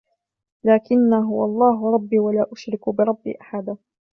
لكنا هو الله ربي ولا أشرك بربي أحدا